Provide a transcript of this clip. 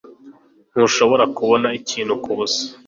Ntushobora kubona ikintu kubusa.